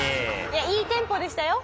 いやいいテンポでしたよ。